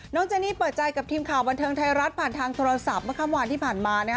เจนี่เปิดใจกับทีมข่าวบันเทิงไทยรัฐผ่านทางโทรศัพท์เมื่อค่ำวานที่ผ่านมานะฮะ